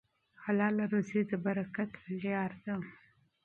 حلاله روزي د برکت لاره ده.